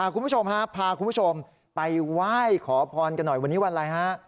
คุณผู้ชมฮะพาคุณผู้ชมไปไหว้ขอพรกันหน่อยวันนี้วันอะไรฮะ